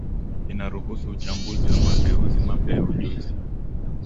inaruhusu uchambuzi wa mageuzi mapya ya ujuzi